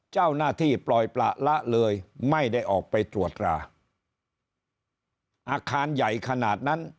เจ้าหน้าที่ปล่อยประละเลยไม่ได้ออกไปตรวจราอาคารใหญ่ขนาดนั้น